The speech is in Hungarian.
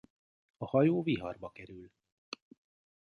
A hajó viharba kerül.